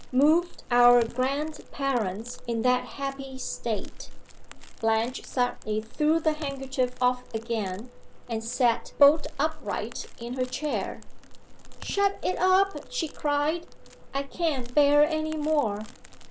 Moved our grand parents in that happy state " Blanche suddenly threw the handkerchief off again, and sat bolt upright in her chair. "Shut it up," she cried. "I can't bear any more.